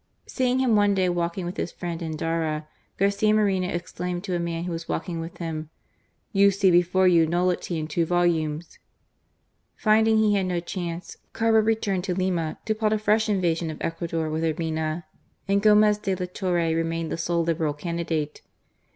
Seeing him oiie day walking with his frien^ Etidara, Garcia Moreno exclaimed to a man who was walking with him :" You see before you nullity in two volumes !" Finding he had no chance, Carbo returned to Lima to plot a fresh invasion of Ecuador with Urbina; and Gomez de la Torre remained the sole Liberal candidate.